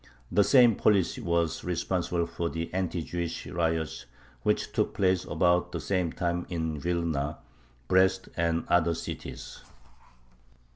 The same policy was responsible for the anti Jewish riots which took place about the same time in Vilna, Brest, and other cities.